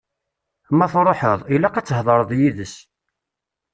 Ma truḥeḍ, ilaq ad thedreḍ yid-s.